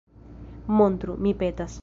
Montru, mi petas.